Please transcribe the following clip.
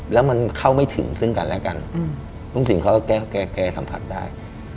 แล้วมันเข้าไม่ถึงซึ่งกันและกันลุงสินเขาก็แก้สัมผัสได้